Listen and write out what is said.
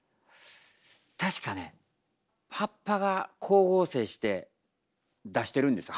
確かね葉っぱが光合成して出してます。